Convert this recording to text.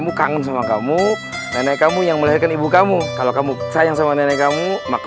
kamu kangen sama kamu nenek kamu yang melahirkan ibu kamu kalau kamu sayang sama nenek kamu maka